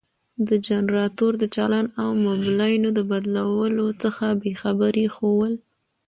د جنراتور د چالان او مبلينو د بدلولو څخه بې خبري ښوول.